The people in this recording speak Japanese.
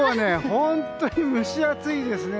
本当に蒸し暑いですね。